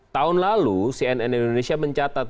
tahun lalu cnn indonesia mencatat